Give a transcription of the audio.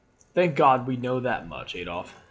"Thank God we know that much, Adolphe!